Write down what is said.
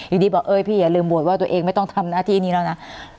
อยู่ดีบอกเอ้ยพี่อย่าลืมบวชว่าตัวเองไม่ต้องทำหน้าที่นี้แล้วนะ